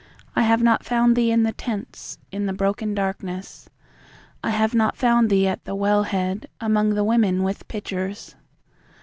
I have not found thee in the tents, In the broken darkness.I have not found thee at the well headAmong the women with pitchers.